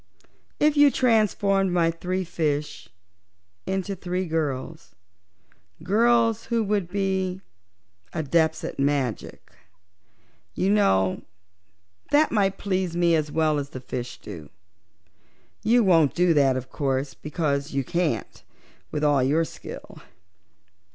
If you transformed my three fish into three girls girls who would be Adepts at Magic, you know they might please me as well as the fish do. You won't do that of course, because you can't, with all your skill.